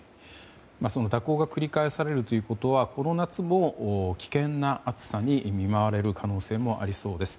蛇行が繰り返されるということはこの夏も危険な暑さに見舞われることもありそうです。